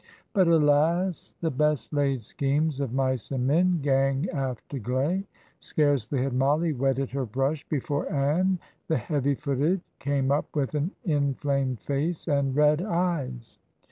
But, alas! "The best laid schemes of mice and men Gang aft agley." Scarcely had Mollie wetted her brush before Ann the heavy footed came up with an inflamed face and red eyes.